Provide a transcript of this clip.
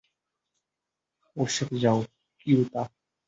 ওর সাথে যাও, ইউতা।